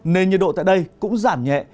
nền nhiệt độ tại đây cũng giảm nhẹ